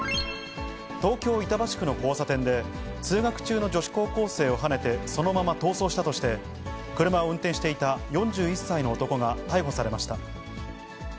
東京・板橋区の交差点で、通学中の女子高校生をはねて、そのまま逃走したとして、車を運転していた４１歳の男が逮捕されました。